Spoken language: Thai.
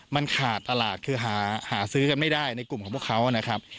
มันขาดตลาดคือหาซื้อกันไม่ได้ในกลุ่มของพวกเขานะครับ